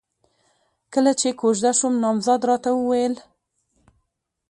کله چې کوژده شوم، نامزد راته وويل: